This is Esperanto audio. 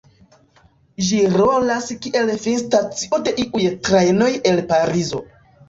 Ĝi rolas kiel finstacio de iuj trajnoj el Parizo.